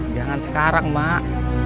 jangan sekarang mak